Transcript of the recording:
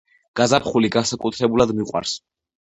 გაზაფხული განსაკუთრებულად მიყვარს.